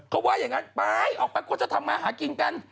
เขาว่าอย่างนั้นไปออกไปควรจะทำมาหากินกัน